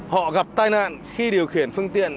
họ gặp tai nạn khi điều khiển phương tiện